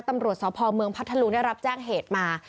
ตำรวจสพเมืองพัทธลุงได้รับแจ้งเหตุมา